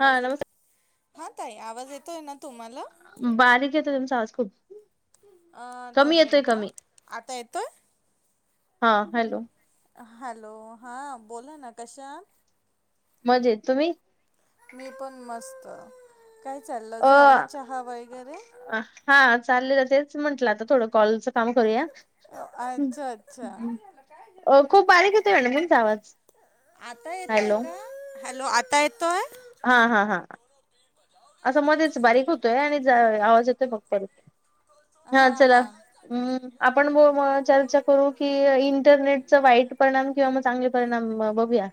हा नमस् येतो हा ताई आवाज येतोय ना तुम्हाला बारीक येतोय त्यांमचा आज खूप अ कमी दोन येतोय मिनिटं कमी आता येतोय हा हॅलो. हॅलो हा बोला ना कशा? मजेत तुम्ही? मी पण मस्त काय चाललं अ झाला चहा वगैरे हा चाललेलं तेच म्हंटलं आता थोडं कॉलच. काम करूया अच्छा अच्छा खूप बारीक येत म्ह म्हून जा आवाज आता येतोय हॅलो का हॅलो आता येतोय. हा हा हा. असा मध्येच बारीक होतोय आणि आवाज येतोय फक् प हो हा चला. हम्. आपण चर्चा करू की इंटरनेटचा वाईट परिणाम किंवा मग चांगले परिणाम बघूया.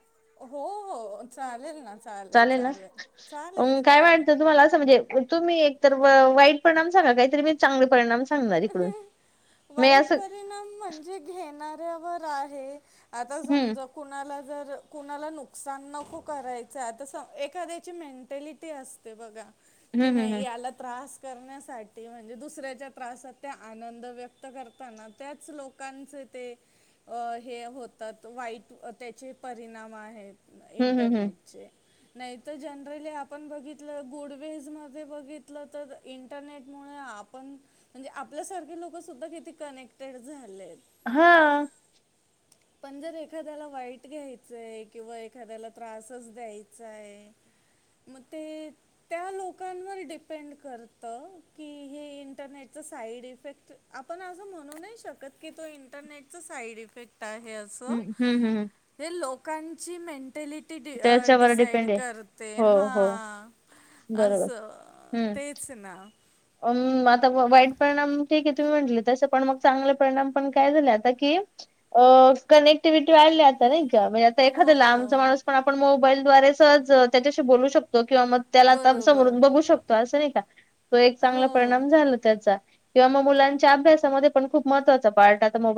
हो हो चालेल ना चालेल चालेल चालेल चालेल. तुमलाजे तुम्ही एक तर वाईट परिणाम सांगा काहीतरी मी चांगले परिणामां. वारीकडून म वाईट असं. परिणाम म्हणजे घेणाऱ्यावर आहे आता हम्म समजा. कुणाला जर कुणाला नुकसान नको करायचं आहे तर स एखाद्याची मेंटॅलिटी असते. ब की हम्म हम्म नाही हम्म या त्र करण्यासाठी म्हणजे दुसऱ्या त्रासात त्या आनंद व्यक्त करताना त्याच लोकांचे ते हे होतात वाईट त्याचे परिणाम आहेत. हम्म हम्म हम्म. इंटरनेटचे. नाही तर, जनरली आपण बघितलं गुडवेज मध्ये बघितलं तर इ इंरनेट मुळे आपण म्हणजे आपल्या सारखे लोक सुद्धा किती कनेक्टेड झालेत. हा. पण, जर एखाद्याला वाईट घ्यायचंय किंवा एखाद्याला त्रासच द्यायचाय मग ते त्या लोकांवर डिपेंड करत की, हे इंटरनेट साईड इफेक्ट आपण असं म्हणू नाही शकत की, तो इंटरनेटचा साईड इफेक्ट आहे असं हम्म हम्म हम्म हम्म. हे लोकांची मेंटॅलिटी त्याच्यावर डिसाइड डिपेंड आहे करते, हो हा हो बरोबर असं ते चं ना, अम्म, आता वाईट परिणाम ठीक येत. ते म्हटलं तसे पण मग, चांगले परिणाम पण काय झाले आता की अ कनेक्टिव्हिटी वाढली आता नाही का, म्हणजे आता हो एखाद्याला लांबचा माणूस पण आपण मोबाईलद्वारे सहज त्याच्याशी बोलू शकतो, किंवा मग त्याला आता बरोबर समोरून बघू शकतो, असं नाही का? तो एक चांगला हो परिणाम झाला त्याचा किंवा म मुलांच्या अभ्यासा मध्ये पण, खुप महत्वाचा पार्ट आता मो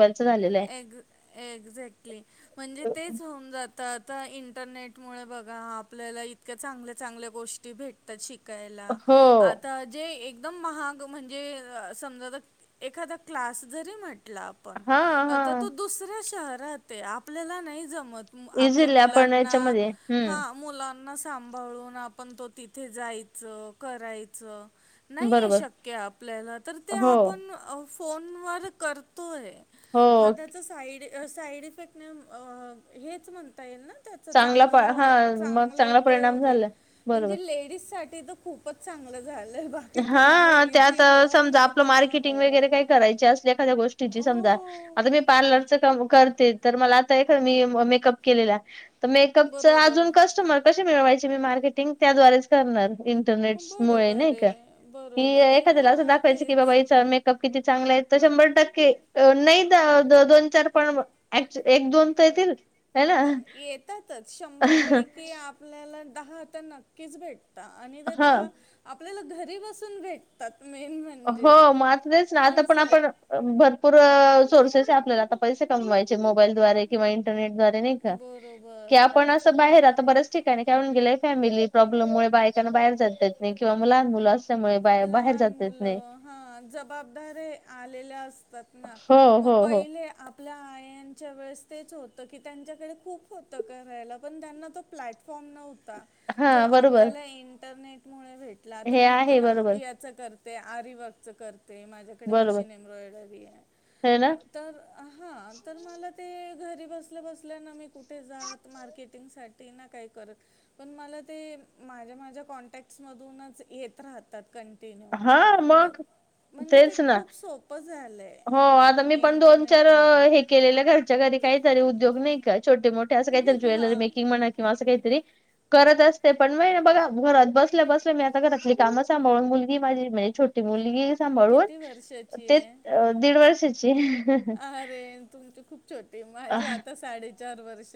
एक- एक्झॅक्टली म्हणजे तेच होऊन जात. तर आता इंटरनेटमुळे बघा आपल्याला इतक्या चांगल्या चांगल्या गोष्टी भेटत तात अ, शिकायला हो आता जे एक एकदम महाग म्हणजे समजा तर, एखादा क्लास जरी म्हटला आपण हा हा आता तो दुसऱ्या शहरात आहे, आपल्याला नाही जमत. आपल्या इझिली आपण मुलांना याच्यामध्ये हा हम्म मुलां ना सांभाळून आपण तो तिथे जायच करायचं. नाही आहे बरोबर शक्य आपल्याला तर, ते हो आपण फोनवर करतो आहे. हो हा, त्याचा साईड -साईड इफेक्टने हेच म्हणता येईल ना. त्याचा प चांगला हा मग -चांगला परिणाम उपयोग आहे, झाला बरोबर म्हणजे लेडीज साठी तर खूप. खुपचं चांगलं झालंय बा. हा, त्यात समजा आपलं तर ना मार्केटिंग हो वगैरे काही करायची असेल एखाद्या गोष्टीची समजा हो आता मी पार्लरच काम करते तर मला आता एक मी मेकअप केलेला तर, मेकअपच बरोबर अजून कस्टमर कशी मिळवायचे मी मार्केटिंग त्याद्वारेच करणार इंटरनेट मुळेचं बरोबर नाही का? आहे ही बरोबर आहे एखाद्याला असं हां दाखवायचं की बाबा तेच हिचा म क- किती चांगला आहे तर, शंभर टक्के नाही दोन चार पण एक दोन तर येतील. है ना ब येतातच शंभर पैकी आपल्याला दहा तर, नक्कीच भेट तात आणि ते हा दहा आपल्याला घरी बसून भेटतात मेन म्हणजे. हो म आता तेचं ना, आता पण असं आपण भरपूर सोर्सेस आहे, आपल्याला आता पैसे कमवायचे मोबाईल द्वारे किंवा इंटरनेटद्वारे. नाही का, की बरोबर पण असं बाहेर आता बऱ्याच ठिकाणी काय होवून गेलयं, फॅमिली प्रॉब्लेम मुळे बायकांना बाहेर जातात येत नाहीत किंवा लहान मुलं अस तील त्यामुळे बा- बाहेरा जा हॅलो! हा जबाबदाऱ्या आलेल्या असतात ना, हो मग हो हो पहिले आप आपल्या आईंच्या वेळेस तेच होतं की, त्यांच्याकडे खूप होतं करायला पण त्यांना तो प्लॅटफॉर्म नव्हता. हा जो बरोबर आपल्याला इंटरनेट मुळे भेटला तर, हे मी आहे पण बरोबर ह्याच करते आरीवर्कच करते, माझ्याकडे बरोबर मशीन आहे एम्ब्रॉयडोरी हाय. हे ना तर, हा तर मला ते घरी बसल्या बसल्या ना मी कुठे जात मार्केटिंग साठी ते ना काही करत, पण मला ते माझ्या-माझ्या कॉन्टॅक्टस मधूनच येत राहत. तात कण हा मग. ते तेच ना खूप सोपं झालं हो आता मी आहे पण दोन-चार इंटरनेटमुळे हे. केलेल्या घरच्या घरी काहीतरी उद्योग नाही का छोटे मोठे असं काहीतरी ज्वेलरी हां मेकिंग म्हणा किंवा असं काहीतरी करत असते पण महि ना बघा घरात बसलं बसलं मी आता घरातली कामं सांभाळून मुली माझी म्हणजे छोटी मुलगी सांभाळून किती वर्षाची ते आहे दीड वर्षाची अरे तुमची खूप छोटी माझी आता साडेचार वर्ष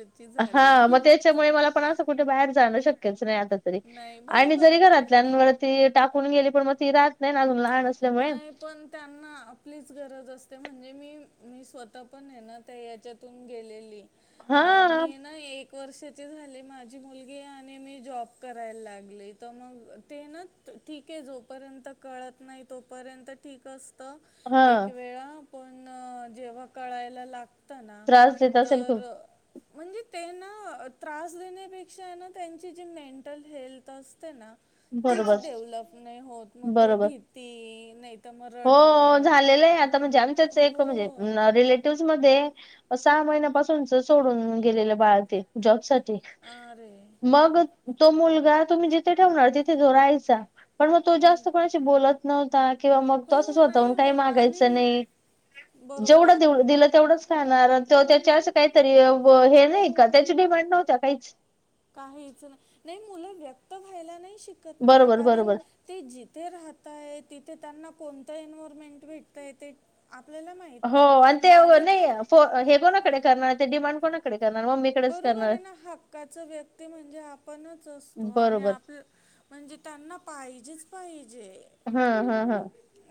हा मग त्याच्यामुळे मला पण असं कुठे बाहेर जाणं शक्यच नाही आता तरी नाही आणि बरोबर जरी आहे घरात आपवरती टाकून गेली पण मग ती राहत नाही ना अजून लहानच नाही. पण त्यांना आपलीच गरज असते म्हणजे मी मी स्वतः पण आहे ना त्या याच्यात गेलेली. हा मी ना एक एक वर्षाची झाली माझी मुलगी आणि मी जॉब करायला लागली. तर मग ते ना ठीक आहे जोपर्यंत कळत नाही. तोपर्यंत ठीक असत हा एक वेळा. पण जेव्हा कळायला लाग असना त्रास देत असेल खूप तर. म्हणजे त्यांना त्रास देण्यापेक्षा ना त्यांची जी मेंटल हेल्थ असते ना तीच बरोबर डेव्हलप नाही होत मग ते बरोबर भीती नाही तर मग हो रडरड झालेलं आहे आता म्हणजे आमच्याच एक हो म्हणजे रिलेटिव्हस मध्ये सहा महिन्यापासूनच सोडून गेलेलं बाळ ते जॉब साठी आरे. मग तो मुलगा तुम्ही जिथे ठेवणार तिथे रायचा पण मग तो जास्त कोणाशी बोलत नवता किंवा म तो हो असं नाही स्वतःहून काही होत आणि मागायचं नाही. जेवढं बरोबर दिलं तेवढंच णार त त्याच्या असं काहीतरी हे नाही का त्याच्या डिमांड नव्हत्या काहीच काहीच नाही. नाही मुलं व्यक्त व्हायला नाही शिकत ना बरोबर कारण बरोबर ते जिथे राहतय तिथे त्यांना कोणतं एन्वरमेंट भेटतय ते आपल्याला माहि हो आणि ते नाही हे कोणाकडे करणार ते डिमांड कोणाकडे करणार मग म बरोबर आहे ना हक्काच व्यक्ती म्हणजे आपणच असतो. आणि बरोबर आपलं म्हणजे त्यांना पाहिजेच पाहिजे. हा हा हा.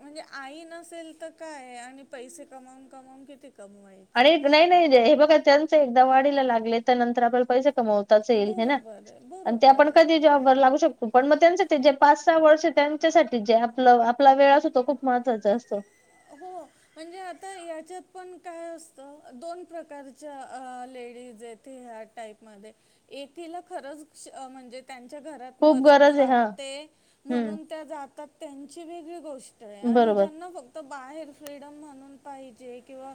म्हणजे आई नसेल तर काय आणि पैसे कमावून कमावून किती कमवाय. आणि नाही नाही हे बघा त्यांच एकदा वाढीला लागले तर नंतर आपण पैसे कमावतो. बरोबर आहे बरोबर आपण क आहे लाू शकतो पण मग त्यां जे पाच सहा वर्ष त्यांच्यासाठी जे आपलं आपला वेळ अस होतो खूप महत्वाचं असतं. हो. म्हणजे आता याच्यात पण काय असतं दोन प्रकारच्या लेडीज येथे ह्या टाईप मध्ये एकीला खरच म्हणजे त्यांच्या घरात खूप मदत गरज आहे हा लागते हम्म म्हणून त्या जातात त्यांची वेगळी गोष्ट आणि बरोबर ज्यांना फक्त बाहेर फ्रीडम म्हणून पाहिजे किंवा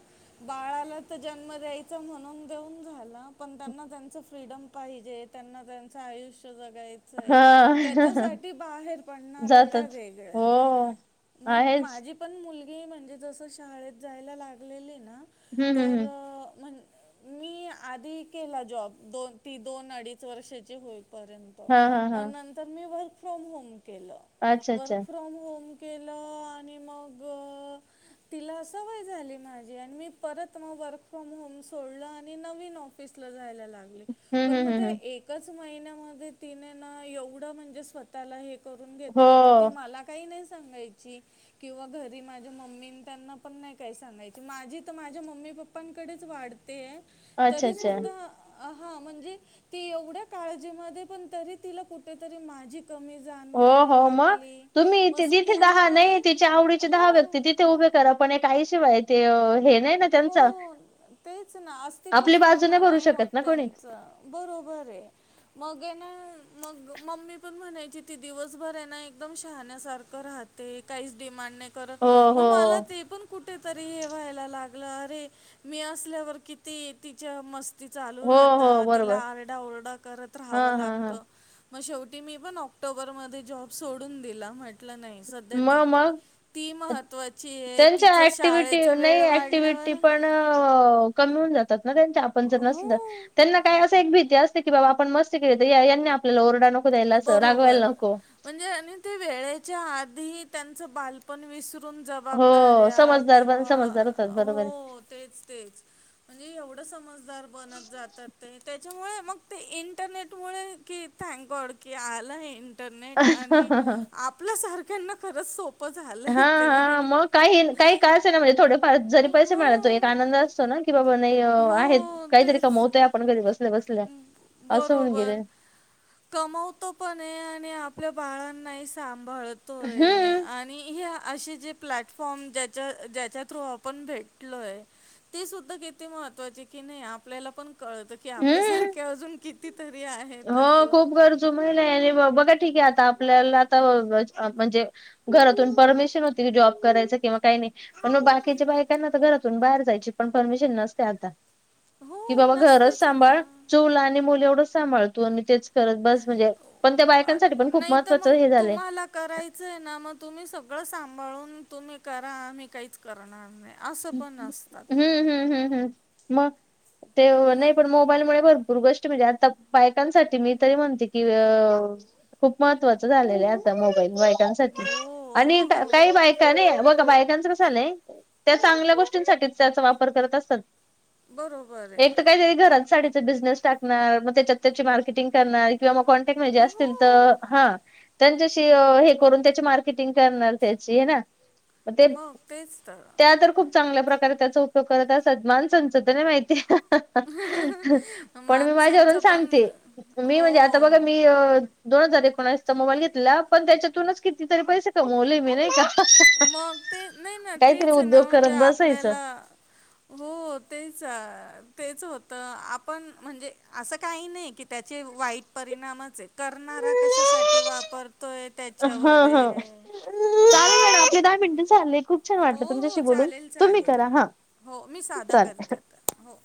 बाळाला तर जन्म द्यायचा म्हणून देऊन घाला. पण त्यांना त्यांचं फ्रीडम पाहिजे त्यांना त्यांचं आयुष्य जगाय हा त्याच्यासाठी बाहेर पडणाऱ्या त्या जातात वेगळ्या हो मग आहेच माझी पण मुलगी म्हणजे जसं शाळेत जायला लागलेली ना हम्म हम्म तर हम्म म्हज मी आधी केला जॉब दोन ती दोन अडीच वर्षाची होईपर्यंत हा हा ग हा नंतर मी वर्क फ्रॉम होम केलं. अच्छा अच्छा वर्क फ्रॉम होम. केलं आणि मग तिला सवय झाली माझी आणि मी परत मग वर्क फ्रॉम होम सोडलं आणि नवीन पिसलं जायला लागत. हम्म ण हम्म मग हम्म हम्म. एकच महिन्या मध्ये तिने न एवढं म्हणजे [inaudible] हो किंवा घरी माझ्या मम्मी त्यांना पण नाही काही सांगायची माझी तर माझ्या मम्मी पप्पा आपांकडेच वाढतेय अच्छा तरी अच्छा सुद्धा हा म्हणजे ती एवढ्या काळजीमध्ये पण तरी तिला कुठेतरी माझी क हो जाणवा हो ला. मग तुम्ही इथे जिथे दहा नाही ति आवडीचे दहा व्यक्ती तिथे उभे करा पण काहीशिवाय ते नाही. ना हो त्यांचा तेच ना आपली अस्तित्वच बाजू पूर्ण भरू नाही होत शकत ना कोणी त्यांचं बरोबर आहे. मगे ना मग मम्मी पण म्हणायची ती दिवसभर आहे ना एकदम शहाण्यासारखं राहत. ते काहीच डिमांड नाही कर हो हो मग मला ते पण कुठेतरी हेवा्हायला लाग. अरे मी असल्यावर किती तिच्या मस्त. त चालू हो हो राहता तिला बरोबर आरडा ओरडा करत हा राहावं हा लागत. हा मग शेवटी मी पण ऑक्टोबरमध्येध्ये जॉब सोडून दिला म्हटलं नाही स मग मग ती महत्त्वाची आहे तिच शाळेचा वेळ वाढ. टिटी पण कमी होऊन जातात ना त्यांच्या आपण जर हो नसल. त्यांना काय असं एक भीती असते की बाबा आपण मस्त केली तर आपल्याला रडा नको. द्यायला असं बरोबर रागवायला नको म्हणजे आणि ते वेळेच्या आधी त्यांच बालपण विसर ून हो जबाबदाऱ्या समजदार पण किंवा समजदार होतात बरोबर हो तेच तेच म्हणजे एवढं समजदार बनत जातात ते त्याच्यामुळे मग ते इंटरनेटमुळे की थँक गॉड की आलं इंटरनेट आणि आहे आपल्यासारख्यांना खरंच सोप. हा हा मग काही काही काळच आहे ना म्हणजे थोडेफार जरी पैसे मिळातो हो एक आनंद असतो ना. की बाबा नाही आहेत हो काहीतरी तेच कमवतय आपण घरी बसतो. बरोबर. कमवतो पण आणि आपल्या बाळांना सांभाळत. तोय हम्म आणि हे असे जे प्लॅटफॉर्म ज्याच्या ज्याच्या थ्रू आपण भेटलोय. ते सुद्धा किती महत्वाचे कि नाही आपल्याला पण कळत की हम्म आपल्यासारखे अजून किती? तरी आहे हो खूप गरजू महिला आणि बघा ठीक आहे आता आपल्याला आता म्हणजे घरातून परमिशन होती की जॉब करायच किंवा काही नाही पण मग बाकीच्या बायकां ना तर घरातून बाहेर जायची पण परमिशन नसते आता हो, की बाबा घरच नसतेच ना. सांभाळ चूल आणि मुलं एवढंच सांभाळ तु आणि तेच खत बस म्, हणजे पण त्या आ- बायकांसाठी पण खूप नाही तर महत्त्वाचं मग हे झालं तुम्हाला करायचं आहे ना मग तुम्ही सगळं सांभाळून तुम्ही करा आम्ही काहीच करणार नाही असं पण हम्म असतात. हम्म हम्म हम् मग ते मग नाही पण म मोबाईलमुळे भरपूर गोष्ट म्हणजे आता बायकांसाठी मी तरी म्हणते की खूप महत्वाचं झाले आहे आता मोबाईल वाईट आणि हो. काही बायका नाही बघ बायकांच कसं आलंय त्या चांगल्या गोष्टींसाठी त्याचा वापर करत असतात बरोबर एक तर आहे काहीतरी घरात साडीचा बिझनेस टाकणार मग त्याच्यात त्या मार्केटिंगणार किंवा मग कॉन्टॅक्टजे अस अस तर हो. हा. त्यांच्याशी हे करून त्याची मार्केटिंग करणार त्याची ह ना. मग तेच तरर त्या तर खूप चांगल्या प्रकारे त्याचा उपयोग करत असातमान संसोध नाही माहिती पण मी माझ्यावरून माणसांचं सांगते पण मी हो. म्हणजे आता बघा मी दोन हजार एकोणसचा मोबाईल घेतला पण त्याच्यातूनच कितीतरी पैसे कमवले मी नाही का मग ते नाही ना काहीतरी तेच आहे उद्योग ना म्हणजे करत बसायचं. आपल्याला हो तेच तेच होतं आपण म्हणजे असं काही नाही की त्याचे वाईट परिणामच आहे करणारा कशासाठी वापरतोय त्याच्यावर चा आपले दहा मिनिटं झाले, खूप छान हो, वाटलं हो. तुमच्याशी बोलून चालेल, तुम्ही चालेल. करा हा हो, मी साधा चालेल. करते हो!